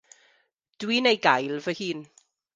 Dwi'n ei gael fy hun.